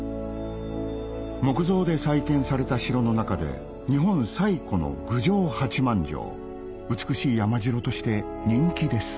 木造で再建された城の中で日本最古の美しい山城として人気です